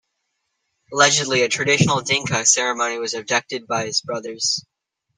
Allegedly, a traditional Dinka ceremony was conducted by his brothers.